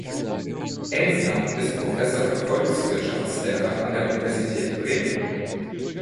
Elsner ist Professor für Volkswirtschaftslehre an der Universität Bremen.